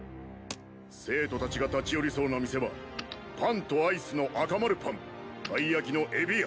生徒たちが立ち寄りそうな店はパンとアイスの「赤丸パン」たい焼きの「海老屋」